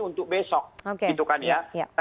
untuk besok gitu kan ya